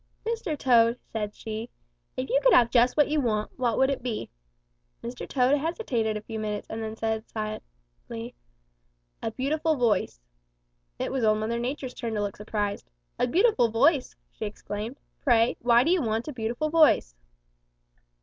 'Mr. Toad,' said she, 'if you could have just what you want, what would it be?' "Mr. Toad hesitated a few minutes and then said shyly, 'A beautiful voice.' "It was Old Mother Nature's turn to look surprised. 'A beautiful voice!' she exclaimed. 'Pray, why do you want a beautiful voice?'